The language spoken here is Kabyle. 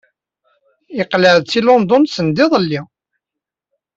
Yeqleɛ-d seg London sendiḍelli.